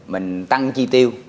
mình tăng chi tiêu